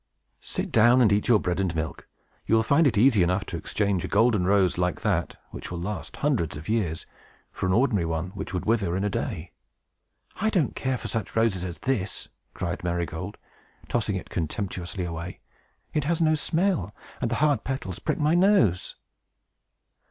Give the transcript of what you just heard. "Sit down and eat your bread and milk! You will find it easy enough to exchange a golden rose like that (which will last hundreds of years) for an ordinary one which would wither in a day." "I don't care for such roses as this!" cried Marygold, tossing it contemptuously away. "It has no smell, and the hard petals prick my nose!"